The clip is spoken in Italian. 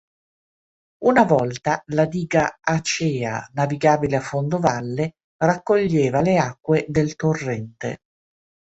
Una volta la diga Acea navigabile a fondo valle raccoglieva le acque del torrente.